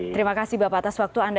terima kasih bapak atas waktu anda